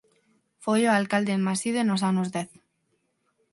Foi alcalde de Maside nos anos dez.